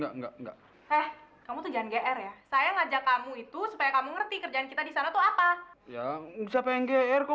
kamu tujuan gr ya